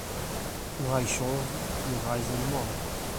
O raio chove e o riser o move.